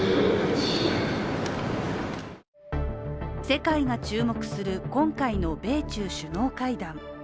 世界が注目する今回の米中首脳会談。